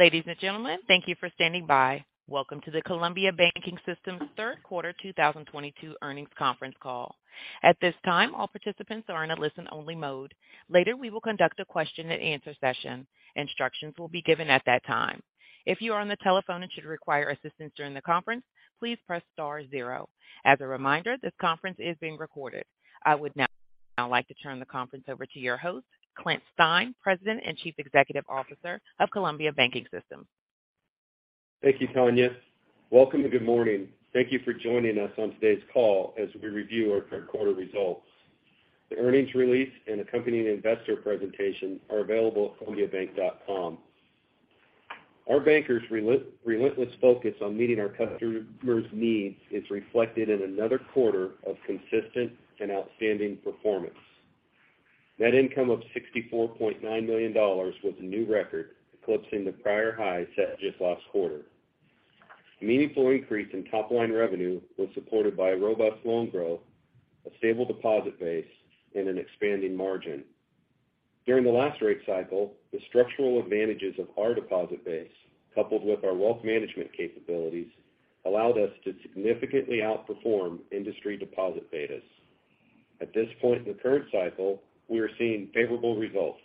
Ladies and gentlemen, thank you for standing by. Welcome to the Columbia Banking System's third quarter 2022 earnings conference call. At this time, all participants are in a listen-only mode. Later, we will conduct a question and answer session. Instructions will be given at that time. If you are on the telephone and should require assistance during the conference, please press star zero. As a reminder, this conference is being recorded. I would now like to turn the conference over to your host, Clint Stein, President and Chief Executive Officer of Columbia Banking System. Thank you, Tanya. Welcome and good morning. Thank you for joining us on today's call as we review our third quarter results. The earnings release and accompanying investor presentation are available at columbiabank.com. Our bankers' relentless focus on meeting our customers' needs is reflected in another quarter of consistent and outstanding performance. Net income of $64.9 million was a new record, eclipsing the prior high set just last quarter. A meaningful increase in top-line revenue was supported by robust loan growth, a stable deposit base, and an expanding margin. During the last rate cycle, the structural advantages of our deposit base, coupled with our wealth management capabilities, allowed us to significantly outperform industry deposit betas. At this point in the current cycle, we are seeing favorable results.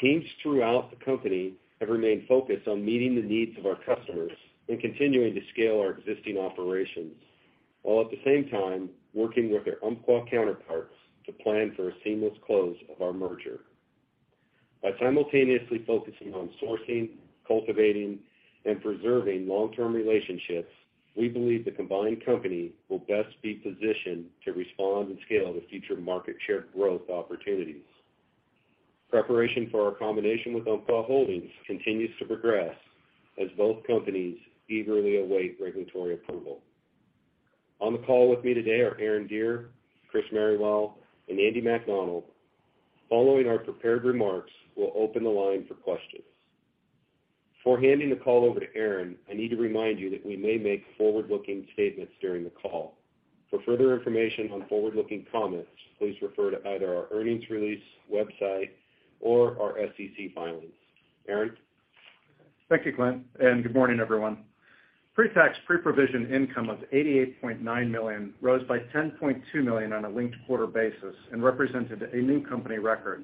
Teams throughout the company have remained focused on meeting the needs of our customers and continuing to scale our existing operations, while at the same time working with their Umpqua counterparts to plan for a seamless close of our merger. By simultaneously focusing on sourcing, cultivating, and preserving long-term relationships, we believe the combined company will best be positioned to respond and scale to future market share growth opportunities. Preparation for our combination with Umpqua Holdings continues to progress as both companies eagerly await regulatory approval. On the call with me today are Aaron Deer, Chris Merrywell, and Andy McDonald. Following our prepared remarks, we'll open the line for questions. Before handing the call over to Aaron, I need to remind you that we may make forward-looking statements during the call. For further information on forward-looking comments, please refer to either our earnings release website or our SEC filings. Aaron? Thank you, Clint, and good morning, everyone. Pre-tax, pre-provision income of $88.9 million rose by $10.2 million on a linked-quarter basis and represented a new company record.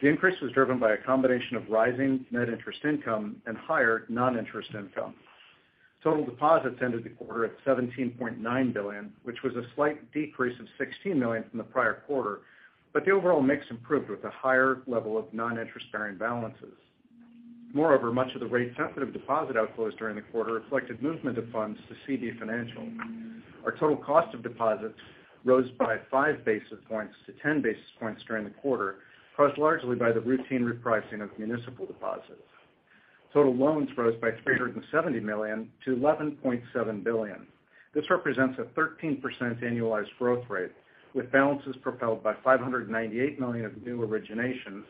The increase was driven by a combination of rising net interest income and higher non-interest income. Total deposits ended the quarter at $17.9 billion, which was a slight decrease of $16 million from the prior quarter, but the overall mix improved with a higher level of non-interest-bearing balances. Moreover, much of the rate-sensitive deposit outflows during the quarter reflected movement of funds to CB Financial Services. Our total cost of deposits rose by 5 basis points to 10 basis points during the quarter, caused largely by the routine repricing of municipal deposits. Total loans rose by $370 million to $11.7 billion. This represents a 13% annualized growth rate, with balances propelled by $598 million of new originations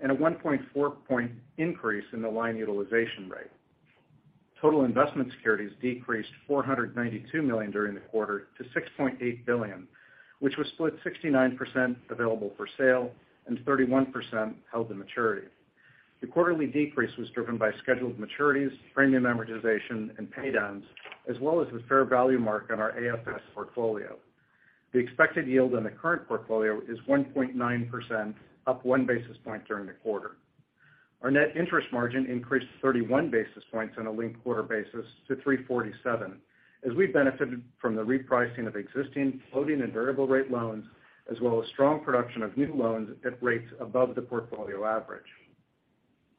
and a 1.4-point increase in the line utilization rate. Total investment securities decreased $492 million during the quarter to $6.8 billion, which was split 69% available for sale and 31% held to maturity. The quarterly decrease was driven by scheduled maturities, premium amortization, and pay downs, as well as the fair value mark on our AFS portfolio. The expected yield on the current portfolio is 1.9%, up 1 basis point during the quarter. Our net interest margin increased 31 basis points on a linked quarter basis to 3.47% as we benefited from the repricing of existing floating and variable rate loans as well as strong production of new loans at rates above the portfolio average.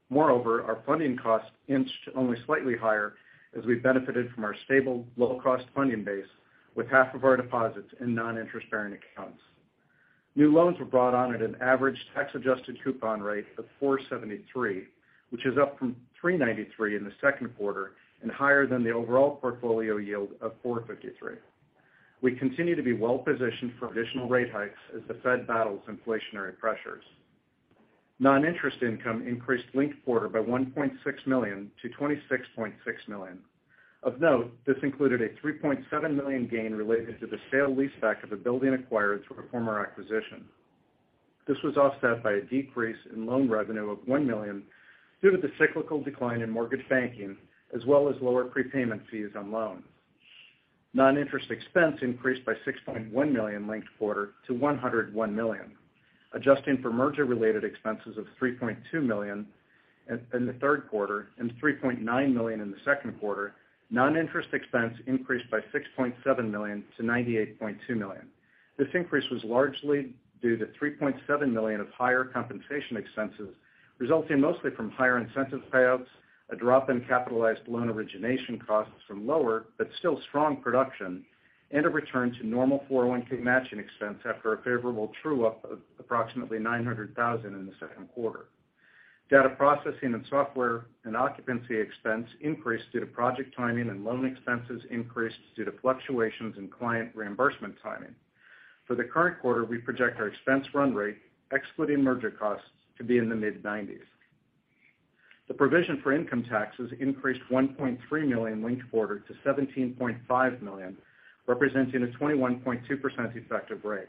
Moreover, our funding costs inched only slightly higher as we benefited from our stable, low-cost funding base with half of our deposits in non-interest-bearing accounts. New loans were brought on at an average tax-adjusted coupon rate of 4.73%, which is up from 3.93% in the second quarter and higher than the overall portfolio yield of 4.53%. We continue to be well-positioned for additional rate hikes as the Fed battles inflationary pressures. Non-interest income increased linked quarter by $1.6 million to $26.6 million. Of note, this included a $3.7 million gain related to the sale-leaseback of a building acquired through a former acquisition. This was offset by a decrease in loan revenue of $1 million due to the cyclical decline in mortgage banking as well as lower prepayment fees on loans. Non-interest expense increased by $6.1 million linked quarter to $101 million. Adjusting for merger-related expenses of $3.2 million in the third quarter and $3.9 million in the second quarter, non-interest expense increased by $6.7 million-$98.2 million. This increase was largely due to $3.7 million of higher compensation expenses, resulting mostly from higher incentive payouts, a drop in capitalized loan origination costs from lower but still strong production, and a return to normal 401K matching expense after a favorable true-up of approximately $900 thousand in the second quarter. Data processing and software and occupancy expense increased due to project timing and loan expenses increased due to fluctuations in client reimbursement timing. For the current quarter, we project our expense run rate, excluding merger costs, to be in the mid-90s. The provision for income taxes increased $1.3 million linked quarter to $17.5 million, representing a 21.2% effective rate.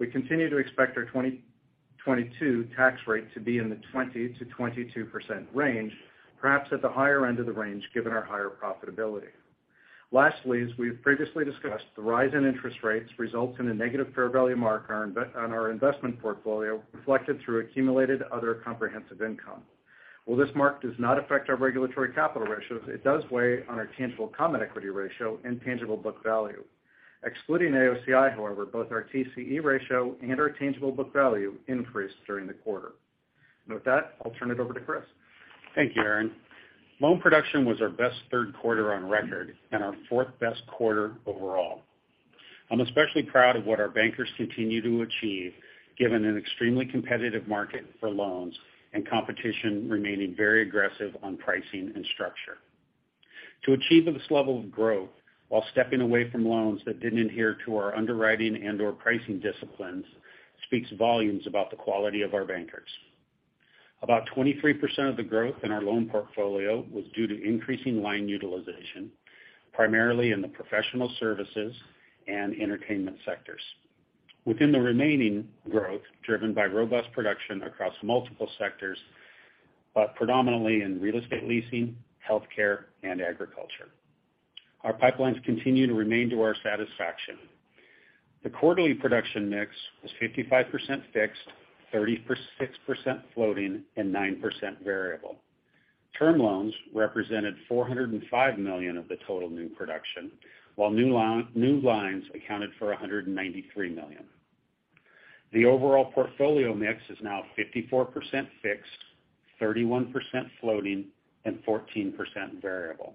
We continue to expect our 2022 tax rate to be in the 20%-22% range, perhaps at the higher end of the range given our higher profitability. Lastly, as we've previously discussed, the rise in interest rates results in a negative fair value mark on our investment portfolio, reflected through accumulated other comprehensive income. While this mark does not affect our regulatory capital ratios, it does weigh on our tangible common equity ratio and tangible book value. Excluding AOCI, however, both our TCE ratio and our tangible book value increased during the quarter. With that, I'll turn it over to Chris. Thank you, Aaron. Loan production was our best third quarter on record and our fourth-best quarter overall. I'm especially proud of what our bankers continue to achieve given an extremely competitive market for loans and competition remaining very aggressive on pricing and structure. To achieve this level of growth while stepping away from loans that didn't adhere to our underwriting and/or pricing disciplines speaks volumes about the quality of our bankers. About 23% of the growth in our loan portfolio was due to increasing line utilization, primarily in the professional services and entertainment sectors. Within the remaining growth, driven by robust production across multiple sectors, but predominantly in real estate leasing, healthcare, and agriculture. Our pipelines continue to remain to our satisfaction. The quarterly production mix was 55% fixed, 36% floating, and 9% variable. Term loans represented $405 million of the total new production, while new lines accounted for $193 million. The overall portfolio mix is now 54% fixed, 31% floating, and 14% variable.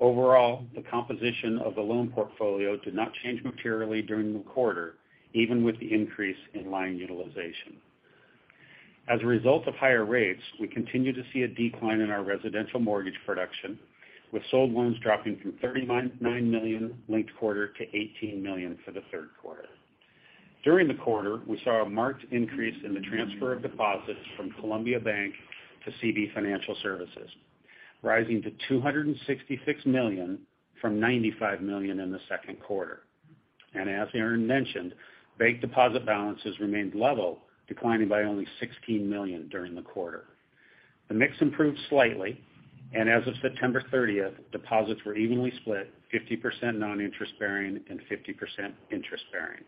Overall, the composition of the loan portfolio did not change materially during the quarter, even with the increase in line utilization. As a result of higher rates, we continue to see a decline in our residential mortgage production, with sold loans dropping from $39 million linked quarter to $18 million for the third quarter. During the quarter, we saw a marked increase in the transfer of deposits from Columbia Bank to CB Financial Services, rising to $266 million from $95 million in the second quarter. As Aaron mentioned, bank deposit balances remained level, declining by only $16 million during the quarter. The mix improved slightly, and as of September 30th, deposits were evenly split 50% non-interest bearing and 50% interest bearing.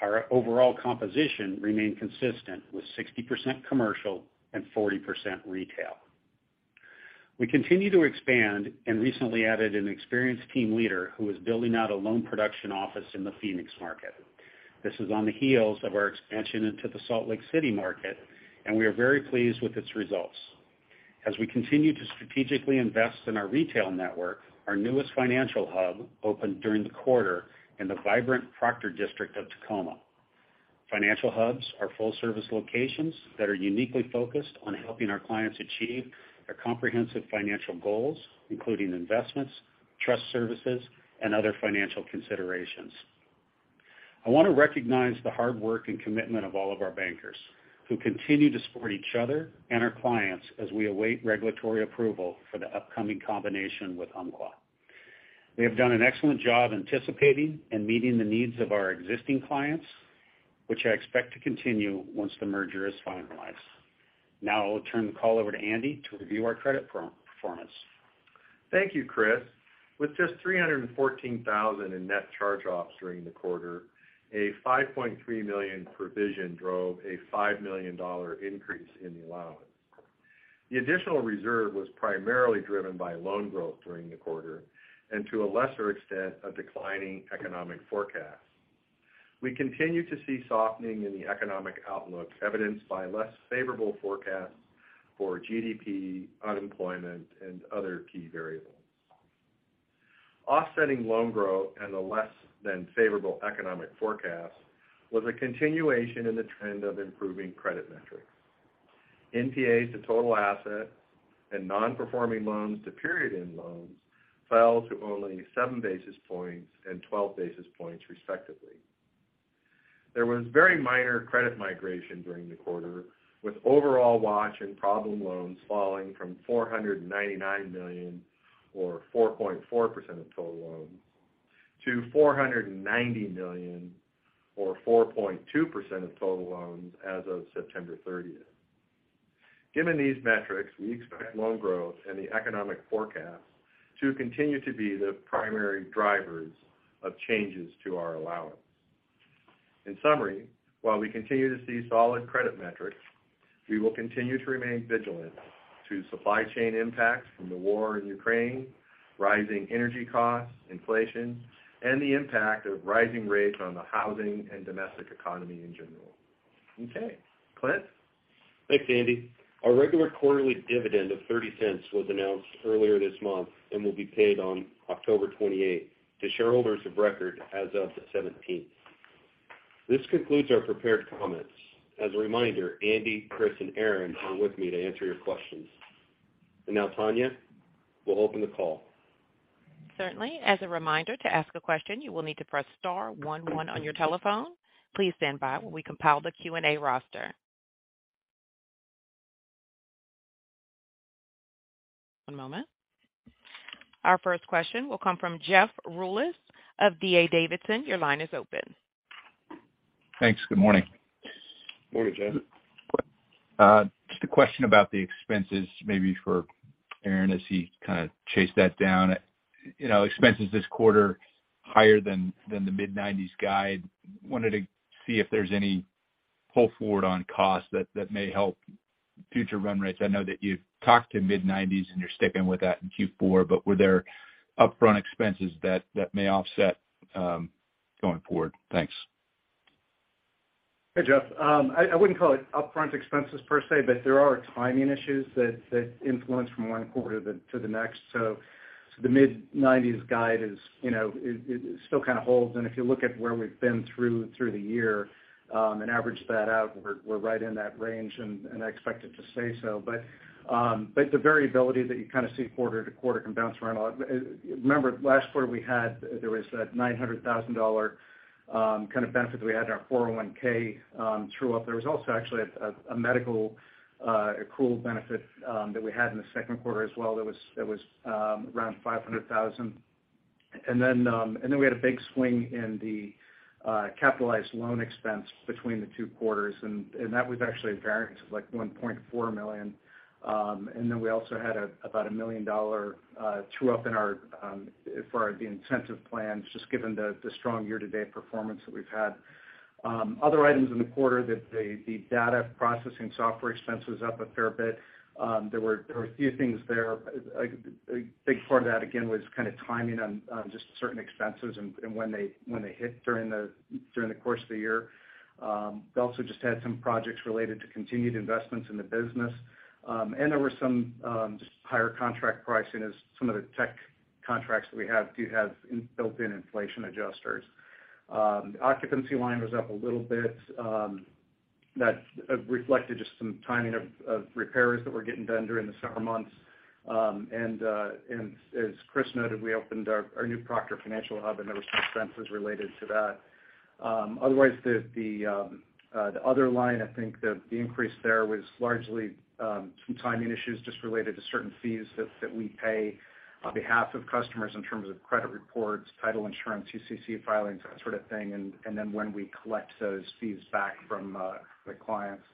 Our overall composition remained consistent with 60% commercial and 40% retail. We continue to expand and recently added an experienced team leader who is building out a loan production office in the Phoenix market. This is on the heels of our expansion into the Salt Lake City market, and we are very pleased with its results. As we continue to strategically invest in our retail network, our newest Financial Hub opened during the quarter in the vibrant Proctor District of Tacoma. Financial Hubs are full-service locations that are uniquely focused on helping our clients achieve their comprehensive financial goals, including investments, trust services, and other financial considerations. I want to recognize the hard work and commitment of all of our bankers who continue to support each other and our clients as we await regulatory approval for the upcoming combination with Umpqua. They have done an excellent job anticipating and meeting the needs of our existing clients, which I expect to continue once the merger is finalized. Now I'll turn the call over to Andy to review our credit portfolio performance. Thank you, Chris. With just $314,000 in net charge-offs during the quarter, a $5.3 million provision drove a $5 million increase in the allowance. The additional reserve was primarily driven by loan growth during the quarter and, to a lesser extent, a declining economic forecast. We continue to see softening in the economic outlook evidenced by less favorable forecasts for GDP, unemployment, and other key variables. Offsetting loan growth and a less than favorable economic forecast was a continuation in the trend of improving credit metrics. NPAs to total assets and non-performing loans to period-end loans fell to only 7 basis points and 12 basis points respectively. There was very minor credit migration during the quarter, with overall watch and problem loans falling from $499 million or 4.4% of total loans to $490 million or 4.2% of total loans as of September 30. Given these metrics, we expect loan growth and the economic forecast to continue to be the primary drivers of changes to our allowance. In summary, while we continue to see solid credit metrics, we will continue to remain vigilant to supply chain impacts from the war in Ukraine, rising energy costs, inflation, and the impact of rising rates on the housing and domestic economy in general. Okay. Clint? Thanks, Andy. Our regular quarterly dividend of $0.30 was announced earlier this month and will be paid on October 28 to shareholders of record as of the 17th. This concludes our prepared comments. As a reminder, Andy, Chris, and Aaron are with me to answer your questions. Now, Tanya, we'll open the call. Certainly. As a reminder, to ask a question, you will need to press star one one on your telephone. Please stand by while we compile the Q&A roster. One moment. Our first question will come from Jeff Rulis of D.A. Davidson. Your line is open. Thanks. Good morning. Morning, Jeff. Just a question about the expenses, maybe for Aaron, as he kind of chased that down. You know, expenses this quarter higher than the mid-90s guide. Wanted to see if there's any pull forward on costs that may help future run rates. I know that you've talked to mid-90s and you're sticking with that in Q4, but were there upfront expenses that may offset going forward? Thanks. Hey, Jeff. I wouldn't call it upfront expenses per se, but there are timing issues that influence from one quarter to the next. The mid-nineties guide is, you know, it still kind of holds. If you look at where we've been through the year and averaged that out, we're right in that range, and I expect it to stay so. The variability that you kind of see quarter to quarter can bounce around a lot. Remember last quarter there was that $900,000 kind of benefit we had in our 401k true-up. There was also actually a medical accrual benefit that we had in the second quarter as well that was around $500,000. We had a big swing in the capitalized loan expense between the two quarters. That was actually a variance of like $1.4 million. We also had about $1 million true-up in our for the incentive plans, just given the strong year-to-date performance that we've had. Other items in the quarter that the data processing software expense was up a fair bit. There were a few things there. A big part of that again was kind of timing on just certain expenses and when they hit during the course of the year. We also just had some projects related to continued investments in the business. There were some just higher contract pricing as some of the tech contracts that we have do have built-in inflation adjusters. Occupancy line was up a little bit, that reflected just some timing of repairs that were getting done during the summer months. As Chris noted, we opened our new Proctor Financial Hub, and there were some expenses related to that. Otherwise, the other line, I think the increase there was largely some timing issues just related to certain fees that we pay on behalf of customers in terms of credit reports, title insurance, UCC filings, that sort of thing. When we collect those fees back from the clients.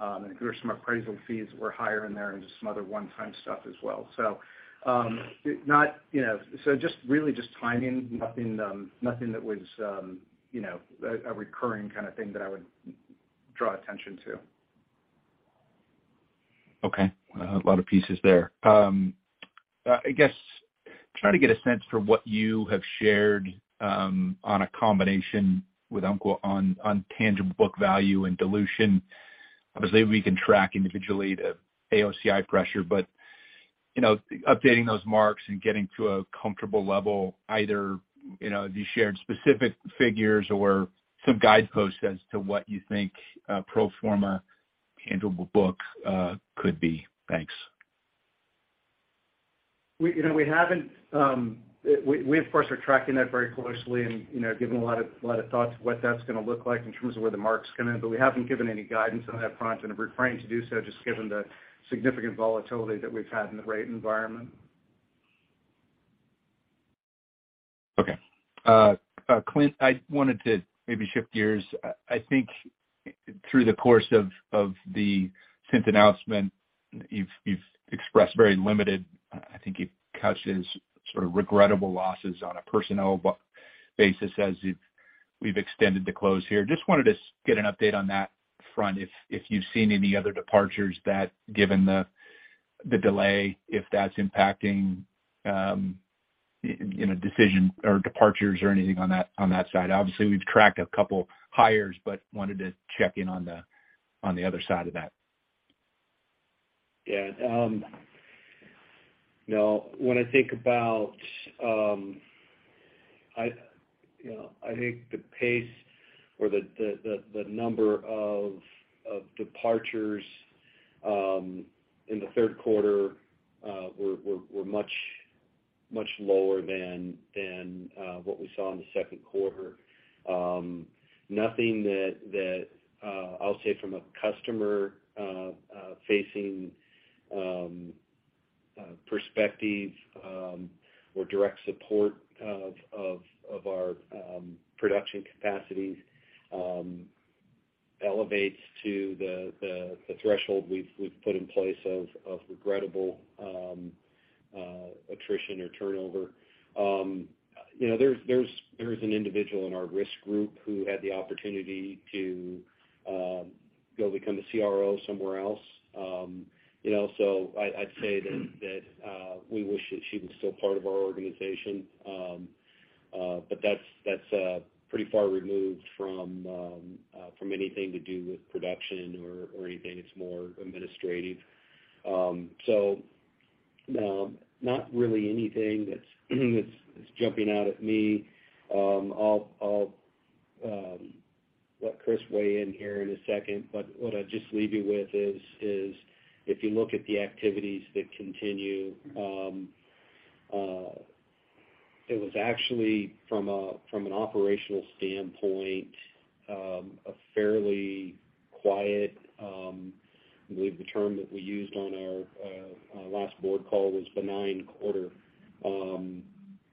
I think there were some appraisal fees that were higher in there and just some other one-time stuff as well, not, you know, so just really just timing, nothing that was, you know, a recurring kind of thing that I would draw attention to. Okay. A lot of pieces there. I guess trying to get a sense for what you have shared on a combination with Umpqua on tangible book value and dilution. Obviously, we can track individually the AOCI pressure, but, you know, updating those marks and getting to a comfortable level, either, you know, have you shared specific figures or some guideposts as to what you think pro forma tangible books could be. Thanks. You know, we of course are tracking that very closely and, you know, giving a lot of thought to what that's gonna look like in terms of where the marks come in. We haven't given any guidance on that front and have refrained to do so just given the significant volatility that we've had in the rate environment. Okay. Clint, I wanted to maybe shift gears. I think through the course of the merger announcement, you've expressed very limited. I think you've touched on sort of regrettable losses on a personnel basis as we've extended the close here. Just wanted to get an update on that front if you've seen any other departures that given the delay, if that's impacting you know decision or departures or anything on that side. Obviously, we've tracked a couple hires, but wanted to check in on the other side of that. Yeah. You know, when I think about, you know, I think the pace or the number of departures in the third quarter were much lower than what we saw in the second quarter. Nothing that I'll say from a customer facing perspective or direct support of our production capacities elevates to the threshold we've put in place of regrettable attrition or turnover. You know, there's an individual in our risk group who had the opportunity to go become a CRO somewhere else. You know, I'd say that we wish that she was still part of our organization. That's pretty far removed from anything to do with production or anything. It's more administrative. Not really anything that's jumping out at me. I'll let Chris weigh in here in a second, but what I'd just leave you with is if you look at the activities that continue. It was actually from an operational standpoint a fairly quiet. I believe the term that we used on our last board call was benign quarter.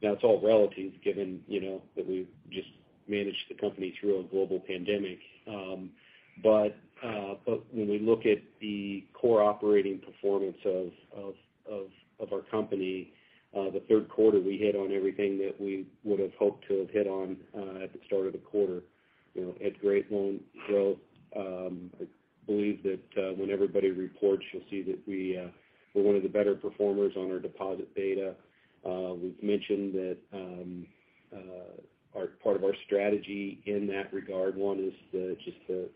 That's all relative given, you know, that we've just managed the company through a global pandemic. When we look at the core operating performance of our company, the third quarter, we hit on everything that we would've hoped to have hit on at the start of the quarter. You know, had great loan growth. I believe that when everybody reports, you'll see that we're one of the better performers on our deposit beta. We've mentioned that, part of our strategy in that regard, one is just the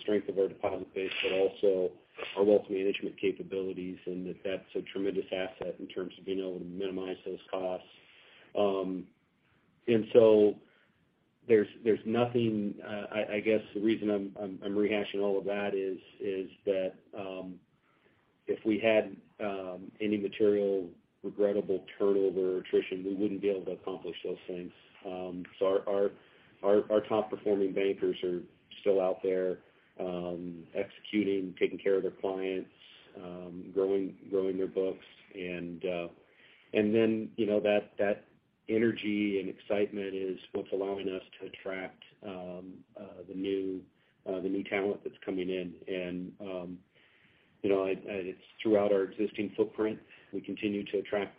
strength of our deposit base, but also our wealth management capabilities, and that's a tremendous asset in terms of being able to minimize those costs. There's nothing. I guess the reason I'm rehashing all of that is that, if we had any material regrettable turnover or attrition, we wouldn't be able to accomplish those things. Our top-performing bankers are still out there, executing, taking care of their clients, growing their books. You know, that energy and excitement is what's allowing us to attract the new talent that's coming in. You know, it's throughout our existing footprint. We continue to attract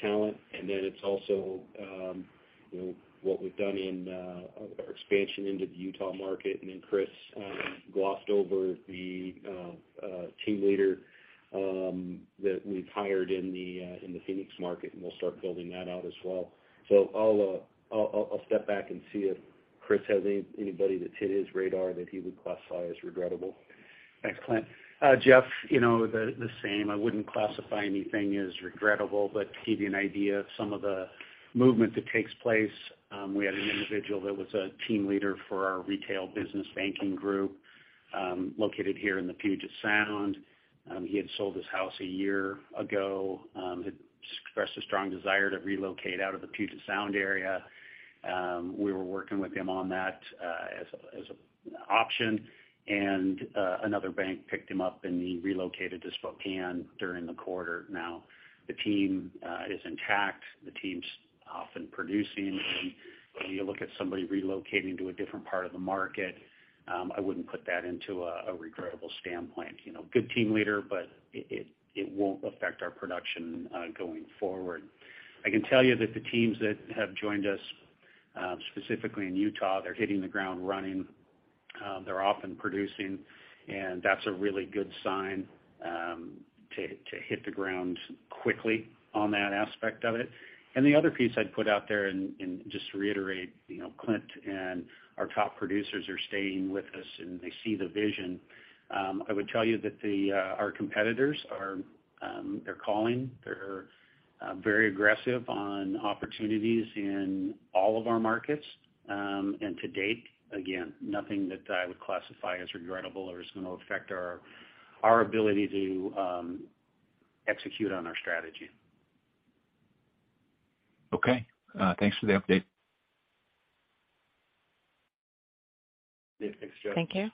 talent. It's also, you know, what we've done in our expansion into the Utah market. Chris glossed over the team leader that we've hired in the Phoenix market, and we'll start building that out as well. I'll step back and see if Chris has anybody that's hit his radar that he would classify as regrettable. Thanks, Clint. Jeff, you know, the same. I wouldn't classify anything as regrettable, but to give you an idea of some of the movement that takes place, we had an individual that was a team leader for our retail business banking group, located here in the Puget Sound. He had sold his house a year ago, had expressed a strong desire to relocate out of the Puget Sound area. We were working with him on that, as an option. Another bank picked him up, and he relocated to Spokane during the quarter. Now, the team is intact. The team's off and producing. When you look at somebody relocating to a different part of the market, I wouldn't put that into a regrettable standpoint. You know, good team leader, but it won't affect our production going forward. I can tell you that the teams that have joined us specifically in Utah, they're hitting the ground running. They're off and producing, and that's a really good sign to hit the ground quickly on that aspect of it. The other piece I'd put out there and just to reiterate, you know, Clint and our top producers are staying with us, and they see the vision. I would tell you that our competitors are calling. They're very aggressive on opportunities in all of our markets. To date, again, nothing that I would classify as regrettable or is gonna affect our ability to execute on our strategy. Okay. Thanks for the update. Yeah. Thanks, Jeff. Thank you.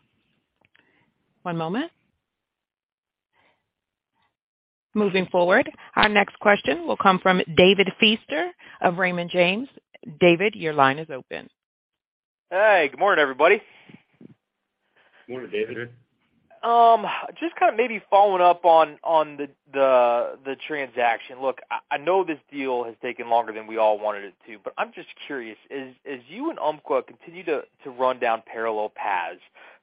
One moment. Moving forward, our next question will come from David Feaster of Raymond James. David, your line is open. Hey. Good morning, everybody. Morning, David. Morning. Just kind of maybe following up on the transaction. Look, I know this deal has taken longer than we all wanted it to, but I'm just curious. As you and Umpqua continue to run down parallel paths,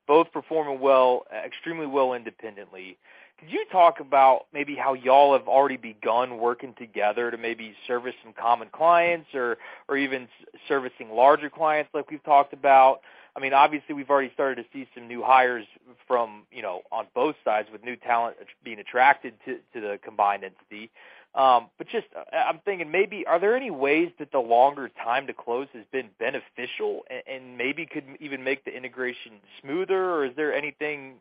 both performing well, extremely well independently, could you talk about maybe how y'all have already begun working together to maybe service some common clients or even servicing larger clients like we've talked about? I mean, obviously, we've already started to see some new hires from, you know, on both sides with new talent being attracted to the combined entity. But just I'm thinking maybe are there any ways that the longer time to close has been beneficial and maybe could even make the integration smoother? Is there anything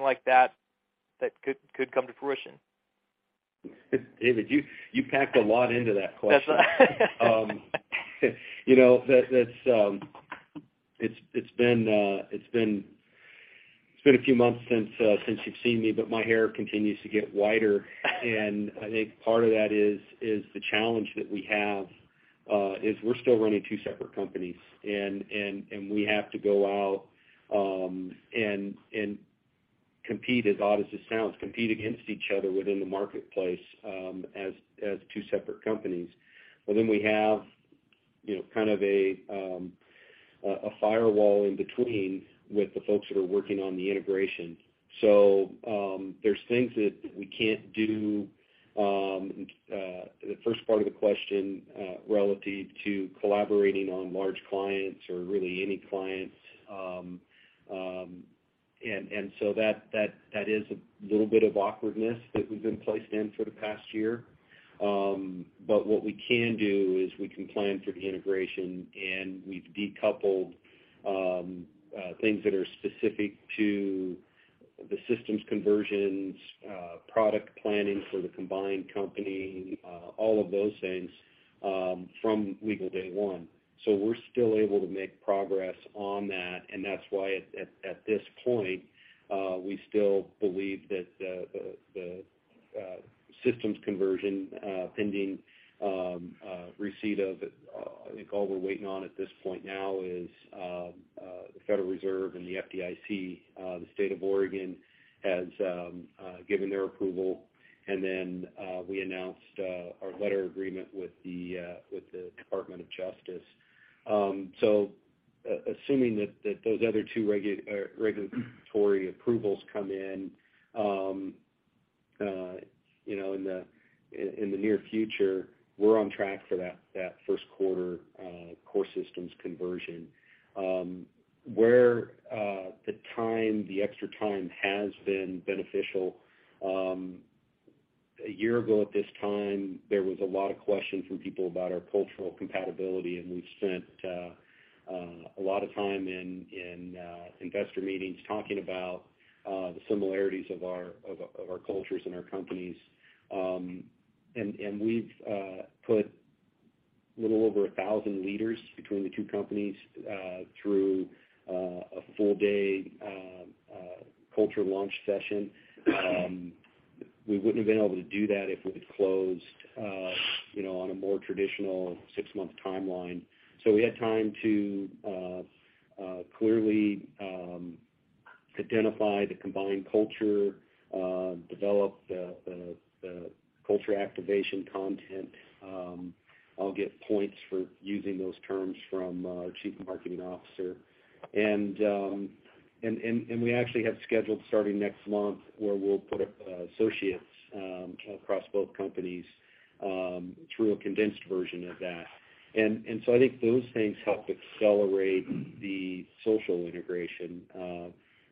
like that that could come to fruition? David, you packed a lot into that question. That's all right. You know, it's been a few months since you've seen me, but my hair continues to get whiter. I think part of that is the challenge that we have. We're still running two separate companies. We have to go out and compete, as odd as this sounds, against each other within the marketplace, as two separate companies. We have, you know, kind of a firewall in between with the folks that are working on the integration. There's things that we can't do. The first part of the question relative to collaborating on large clients or really any clients. That is a little bit of awkwardness that we've been placed in for the past year. What we can do is we can plan for the integration, and we've decoupled things that are specific to the systems conversions, product planning for the combined company, all of those things from legal day one. We're still able to make progress on that, and that's why at this point we still believe that the systems conversion pending receipt of, I think all we're waiting on at this point now is the Federal Reserve and the FDIC. The State of Oregon has given their approval. We announced our letter agreement with the Department of Justice. Assuming that those other two regulatory approvals come in, you know, in the near future, we're on track for that first quarter core systems conversion. Where the extra time has been beneficial, a year ago at this time, there was a lot of questions from people about our cultural compatibility, and we've spent a lot of time in investor meetings talking about the similarities of our cultures and our companies. We've put a little over 1,000 leaders between the two companies through a full day culture launch session. We wouldn't have been able to do that if we'd closed, you know, on a more traditional 6-month timeline. We had time to clearly identify the combined culture, develop the culture activation content. I'll get points for using those terms from our Chief Marketing Officer. We actually have scheduled starting next month, where we'll put associates across both companies through a condensed version of that. I think those things help accelerate the social integration.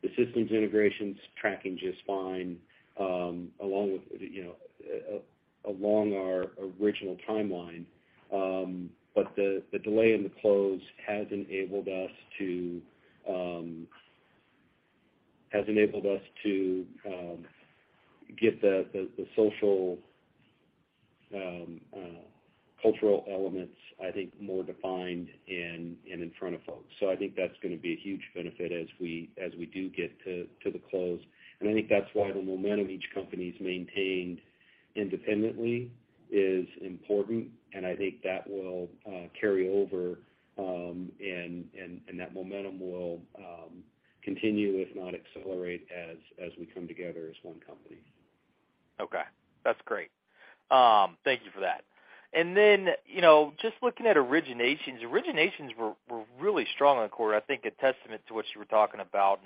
The systems integration's tracking just fine, along with, you know, along our original timeline. The delay in the close has enabled us to get the social cultural elements, I think, more defined and in front of folks. I think that's gonna be a huge benefit as we do get to the close. I think that's why the momentum each company's maintained independently is important, and I think that will carry over, and that momentum will continue, if not accelerate as we come together as one company. Okay. That's great. Thank you for that. You know, just looking at originations. Originations were really strong in the quarter. I think a testament to what you were talking about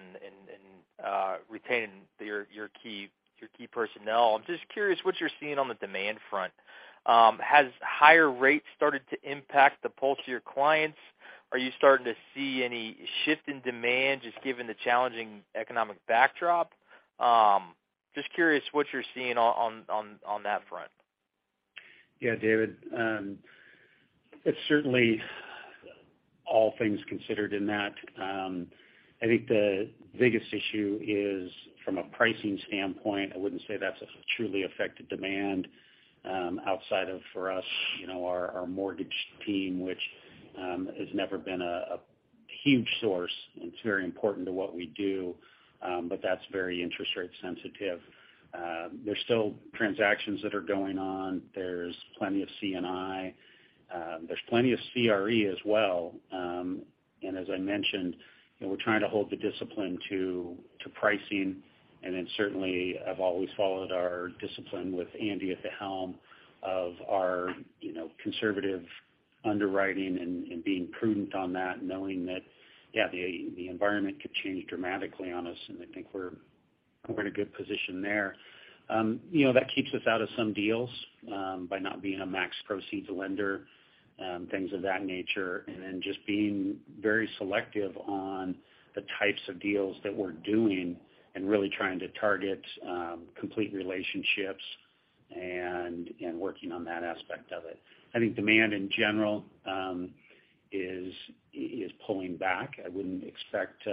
retaining your key personnel. I'm just curious what you're seeing on the demand front. Has higher rates started to impact the pulse of your clients? Are you starting to see any shift in demand just given the challenging economic backdrop? Just curious what you're seeing on that front. Yeah, David Feaster. It's certainly all things considered in that. I think the biggest issue is from a pricing standpoint. I wouldn't say that's truly affected demand outside of for us, you know, our mortgage team, which has never been a huge source. It's very important to what we do, but that's very interest rate sensitive. There's still transactions that are going on. There's plenty of C&I. There's plenty of CRE as well. As I mentioned, you know, we're trying to hold the discipline to pricing. Then certainly I've always followed our discipline with Andy McDonald at the helm of our, you know, conservative underwriting and being prudent on that, knowing that, yeah, the environment could change dramatically on us, and I think we're in a good position there. You know, that keeps us out of some deals by not being a max proceeds lender, things of that nature. Then just being very selective on the types of deals that we're doing and really trying to target complete relationships and working on that aspect of it. I think demand in general is pulling back. I wouldn't expect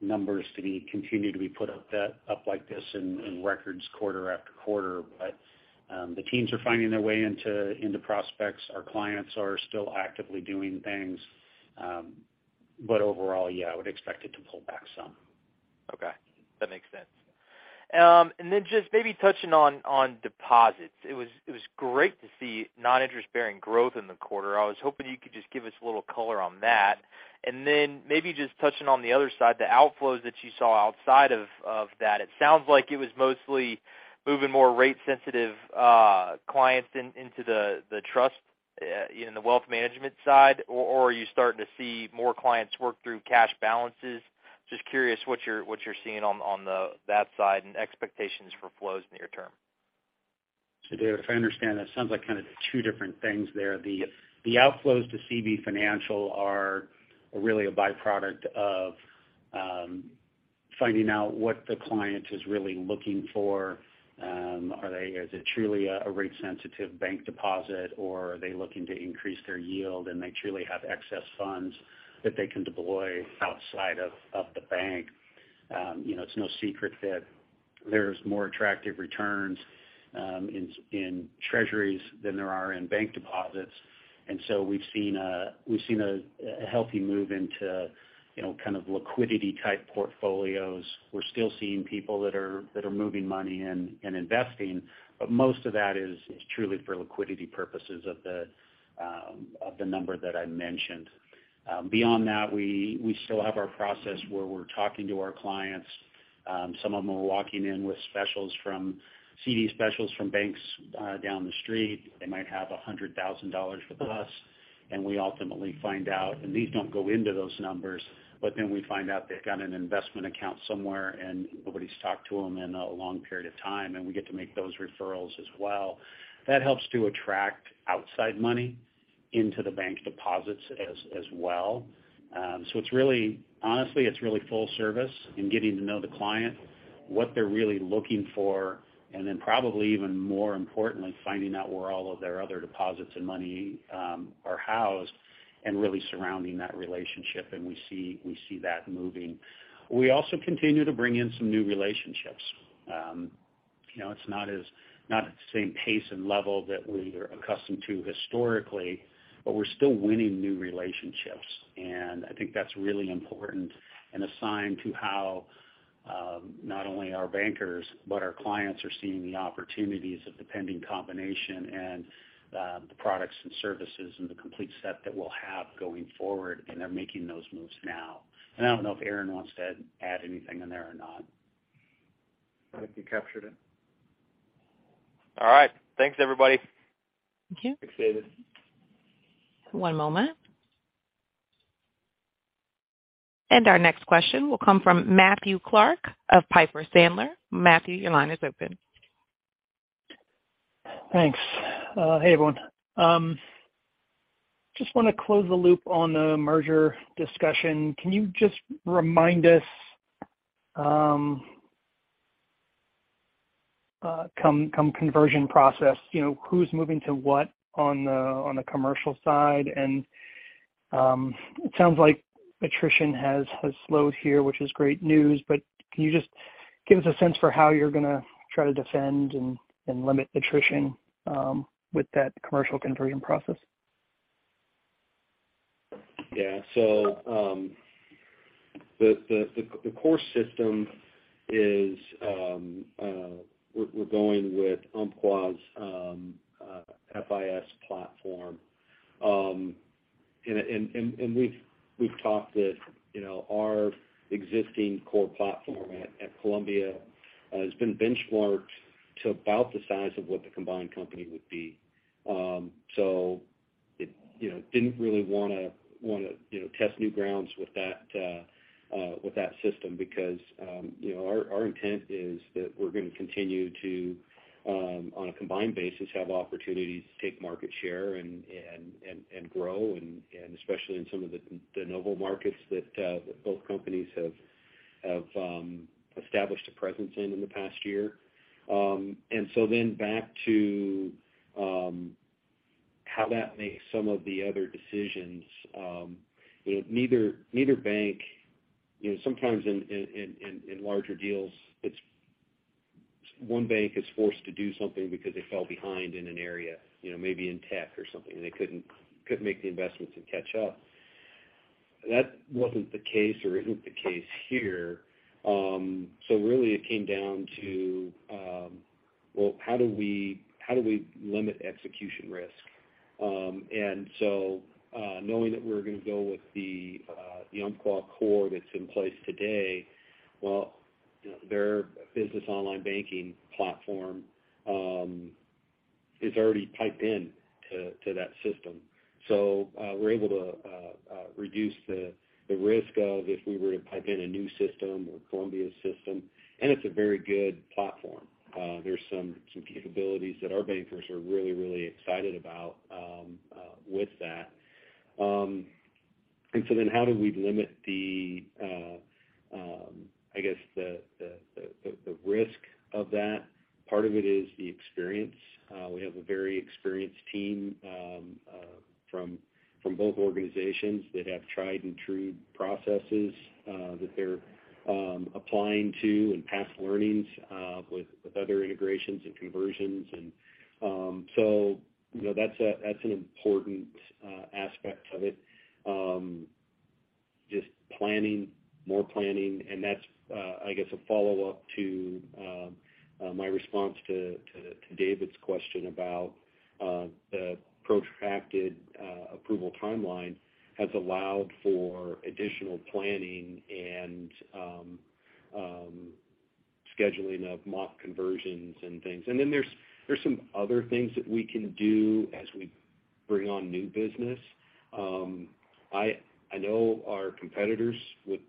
numbers to be continued to be put up like this in record quarter after quarter. The teams are finding their way into prospects. Our clients are still actively doing things. Overall, yeah, I would expect it to pull back some. Okay. That makes sense. Just maybe touching on deposits. It was great to see non-interest-bearing growth in the quarter. I was hoping you could just give us a little color on that. Maybe just touching on the other side, the outflows that you saw outside of that. It sounds like it was mostly moving more rate sensitive clients into the trust in the wealth management side, or are you starting to see more clients work through cash balances? Just curious what you're seeing on that side and expectations for flows near term. David, if I understand, that sounds like kind of two different things there. The outflows to CB Financial are really a byproduct of finding out what the client is really looking for. Is it truly a rate sensitive bank deposit, or are they looking to increase their yield, and they truly have excess funds that they can deploy outside of the bank? You know, it's no secret that there's more attractive returns in treasuries than there are in bank deposits. We've seen a healthy move into, you know, kind of liquidity type portfolios. We're still seeing people that are moving money and investing, but most of that is truly for liquidity purposes of the number that I mentioned. Beyond that, we still have our process where we're talking to our clients. Some of them are walking in with specials from CD specials from banks down the street. They might have $100,000 with us, and we ultimately find out. These don't go into those numbers, but then we find out they've got an investment account somewhere, and nobody's talked to them in a long period of time, and we get to make those referrals as well. That helps to attract outside money into the bank deposits as well. It's really. Honestly, it's really full service and getting to know the client, what they're really looking for, and then probably even more importantly, finding out where all of their other deposits and money are housed and really surrounding that relationship. We see that moving. We also continue to bring in some new relationships. You know, it's not at the same pace and level that we are accustomed to historically, but we're still winning new relationships. I think that's really important and a sign as to how not only our bankers, but our clients are seeing the opportunities of the pending combination and the products and services and the complete set that we'll have going forward, and they're making those moves now. I don't know if Aaron wants to add anything in there or not. I think you captured it. All right. Thanks, everybody. Thank you. Thanks, David. One moment. Our next question will come from Matthew Clark of Piper Sandler. Matthew, your line is open. Thanks. Hey, everyone. Just wanna close the loop on the merger discussion. Can you just remind us, core conversion process, you know, who's moving to what on the commercial side? It sounds like attrition has slowed here, which is great news, but can you just give us a sense for how you're gonna try to defend and limit attrition with that commercial conversion process? Yeah. The core system is we're going with Umpqua's FIS platform. We've talked with, you know, our existing core platform at Columbia has been benchmarked to about the size of what the combined company would be. It, you know, didn't really wanna test new grounds with that system because, you know, our intent is that we're gonna continue to, on a combined basis, have opportunities to take market share and grow and especially in some of the novel markets that both companies have established a presence in the past year. Back to how that makes some of the other decisions, you know, neither bank... You know, sometimes in larger deals, it's one bank is forced to do something because they fell behind in an area, you know, maybe in tech or something, and they couldn't make the investments and catch up. That wasn't the case or isn't the case here. Really it came down to, well, how do we limit execution risk? Knowing that we're gonna go with the Umpqua core that's in place today, well, you know, their business online banking platform is already piped in to that system. We're able to reduce the risk of if we were to pipe in a new system or Columbia's system, and it's a very good platform. There's some capabilities that our bankers are really excited about with that. How do we limit the risk of that? Part of it is the experience. We have a very experienced team from both organizations that have tried and true processes that they're applying those and past learnings with other integrations and conversions. You know, that's an important aspect of it. Just planning, more planning, and that's a follow-up to my response to David's question about the protracted approval timeline has allowed for additional planning and scheduling of mock conversions and things. Then there are some other things that we can do as we bring on new business. I know our competitors would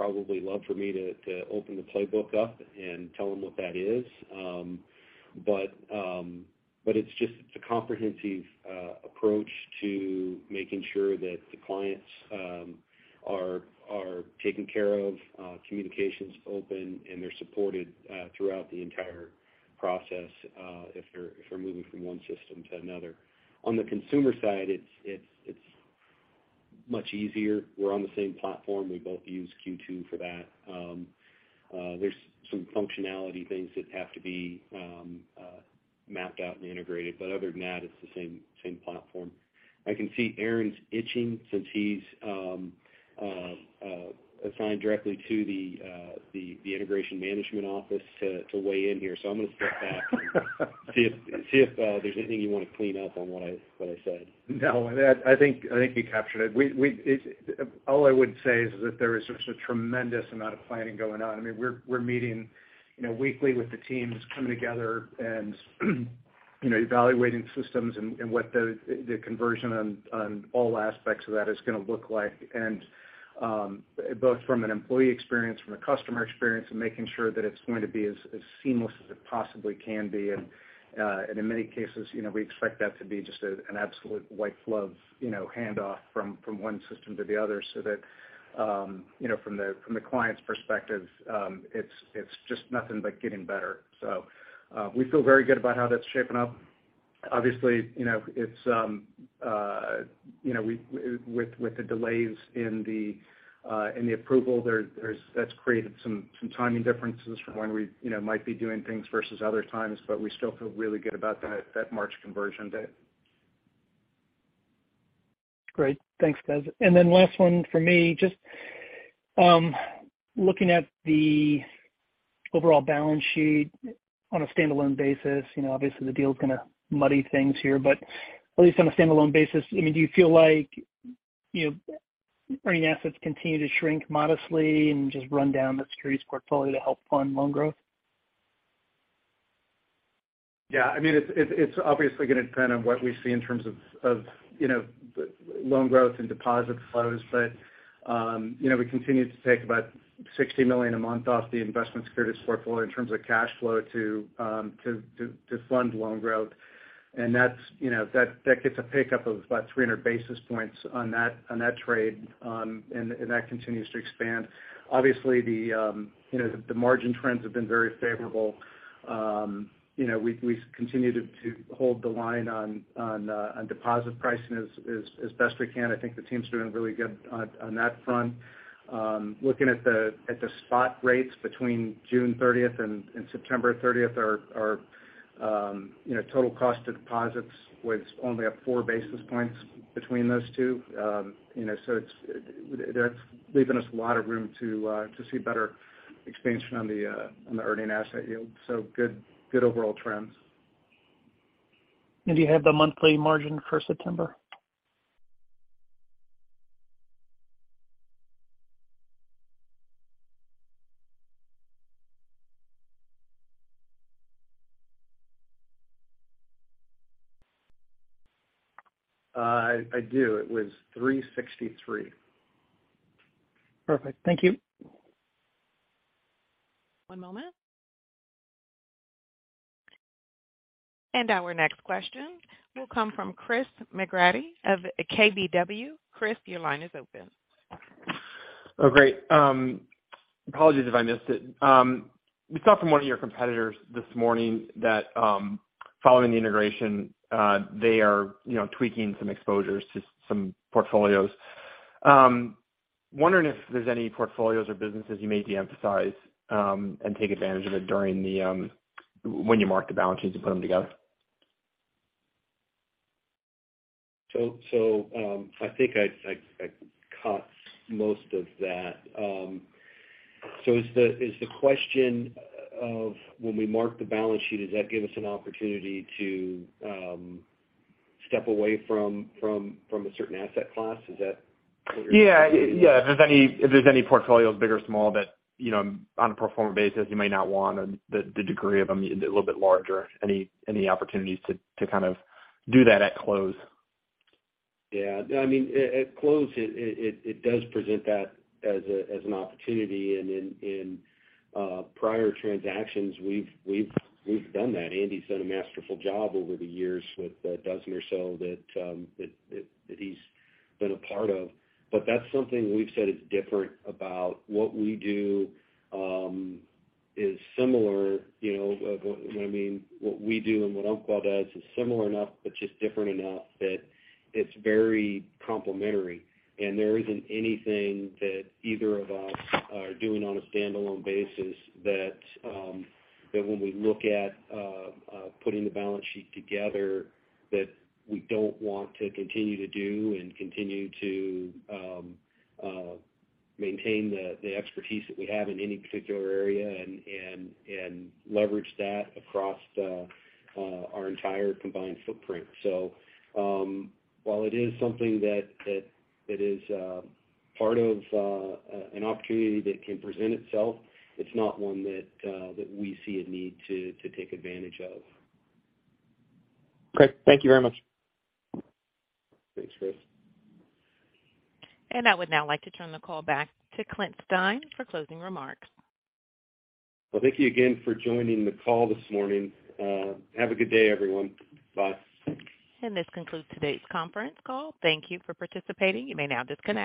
probably love for me to open the playbook up and tell them what that is. It's just a comprehensive approach to making sure that the clients are taken care of, communication's open and they're supported throughout the entire process, if they're moving from one system to another. On the consumer side, it's much easier. We're on the same platform. We both use Q2 for that. There's some functionality things that have to be mapped out and integrated, but other than that, it's the same platform. I can see Aaron's itching since he's assigned directly to the integration management office to weigh in here. I'm gonna step back and see if there's anything you wanna clean up on what I said. No. I think you captured it. All I would say is that there is such a tremendous amount of planning going on. I mean, we're meeting, you know, weekly with the teams, coming together and, you know, evaluating systems and what the conversion on all aspects of that is gonna look like. Both from an employee experience, from a customer experience and making sure that it's going to be as seamless as it possibly can be. In many cases, you know, we expect that to be just an absolute white glove, you know, handoff from one system to the other so that, you know, from the client's perspective, it's just nothing but getting better. We feel very good about how that's shaping up. Obviously, you know, it's with the delays in the approval there, that's created some timing differences for when we, you know, might be doing things versus other times, but we still feel really good about that March conversion date. Great. Thanks, guys. Then last one for me. Just looking at the overall balance sheet on a standalone basis, you know, obviously the deal's gonna muddy things here. But at least on a standalone basis, I mean, do you feel like, you know, earning assets continue to shrink modestly and just run down the securities portfolio to help fund loan growth? Yeah, I mean, it's obviously gonna depend on what we see in terms of you know, loan growth and deposit flows. You know, we continue to take about $60 million a month off the investment securities portfolio in terms of cash flow to fund loan growth. That's you know, that gets a pickup of about 300 basis points on that trade. That continues to expand. Obviously, the you know, the margin trends have been very favorable. You know, we've continued to hold the line on deposit pricing as best we can. I think the team's doing really good on that front. Looking at the spot rates between June 30th and September 30th, you know, total cost of deposits was only up four basis points between those two. You know, that's leaving us a lot of room to see better expansion on the earning asset yield. Good overall trends. Do you have the monthly margin for September? I do. It was 363. Perfect. Thank you. One moment. Our next question will come from Chris McGratty of KBW. Chris, your line is open. Oh, great. Apologies if I missed it. We saw from one of your competitors this morning that, following the integration, they are, you know, tweaking some exposures to some portfolios. Wondering if there's any portfolios or businesses you may de-emphasize, and take advantage of it during the, when you mark the balance sheets and put them together. I think I caught most of that. Is the question of when we mark the balance sheet, does that give us an opportunity to step away from a certain asset class? Is that what you're- Yeah. Yeah. If there's any portfolios, big or small that, you know, on a pro forma basis, you may not want the degree of them a little bit larger. Any opportunities to kind of do that at close? Yeah. I mean, at close, it does present that as an opportunity. In prior transactions, we've done that. Andy's done a masterful job over the years with a dozen or so that he's been a part of. That's something we've said is different about what we do, is similar, you know, I mean, what we do and what Umpqua does is similar enough, but just different enough that it's very complementary. There isn't anything that either of us are doing on a standalone basis that when we look at putting the balance sheet together, that we don't want to continue to do and continue to maintain the expertise that we have in any particular area and leverage that across our entire combined footprint. While it is something that is part of an opportunity that can present itself, it's not one that we see a need to take advantage of. Great. Thank you very much. Thanks, Chris. I would now like to turn the call back to Clint Stein for closing remarks. Well, thank you again for joining the call this morning. Have a good day, everyone. Bye. This concludes today's conference call. Thank you for participating. You may now disconnect.